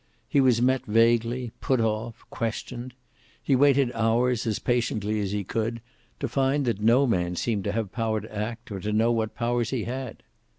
He was met vaguely, put off, questioned. He waited hours, as patiently as he could, to find that no man seemed to have power to act, or to know what powers he had.